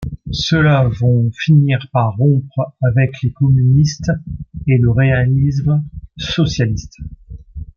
Ceux-là vont finir par rompre avec les communistes et le réalisme socialiste.